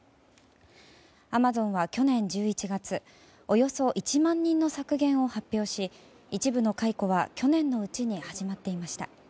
アマゾンは去年１１月およそ１万人の削減を発表し一部の解雇は去年のうちに始まっていました。